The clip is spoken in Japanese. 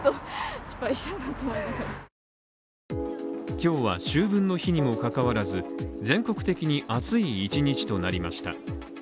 今日は秋分の日にも関わらず、全国的に暑い１日となりました。